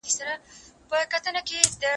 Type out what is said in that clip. زه اوس د سبا لپاره د سوالونو جواب ورکوم..